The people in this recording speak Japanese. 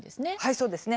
そうですね。